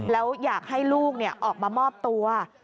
แล้วอยากให้ลูกออกมามอบตัว